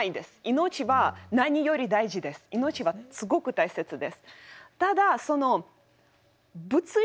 命はすごく大切です。